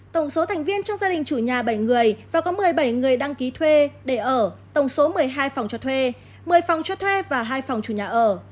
tổng số thành viên trong gia đình chủ nhà bảy người và có một mươi bảy người đăng ký thuê để ở tổng số một mươi hai phòng cho thuê một mươi phòng cho thuê và hai phòng chủ nhà ở